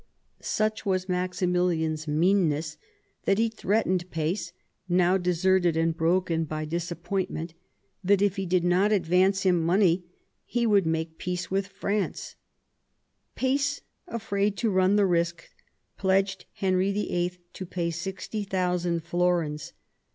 Such was Maximilian's meanness that he threatened Pace, now deserted and broken by disappointment, that if he did not advance him money he would make peace with Franca Pace, afraid to run the risk, pledged Henry VIII. to pay 60,000 florins.